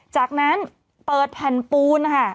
จากนั้นเปิดแผ่นปูนนะคะ